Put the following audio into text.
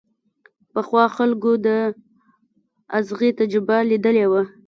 پخوا خلکو د ازغي تجربه ليدلې وه.